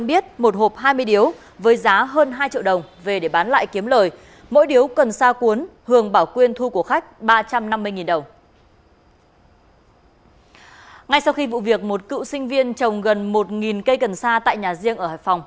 ngay sau khi vụ việc một cựu sinh viên trồng gần một cây cần sa tại nhà riêng ở hải phòng